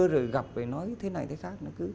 rồi gặp về nói thế này thế khác